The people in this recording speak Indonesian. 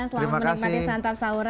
selamat menikmati santab sauret